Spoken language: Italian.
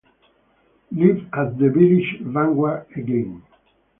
Live At The Village Vanguard Again!